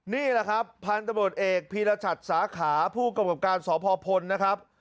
นี่ล่ะครับพันธบทเอกพิรัชัดสาขาผู้กรบกรรมการสพนะครับ